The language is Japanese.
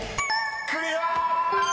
［クリア！］